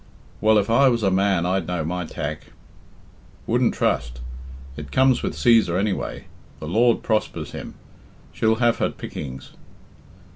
"Well, if I was a man I'd know my tack." "Wouldn't trust. It comes with Cæsar anyway; the Lord prospers him; she'll have her pickings.